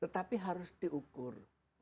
tetapi harus diukur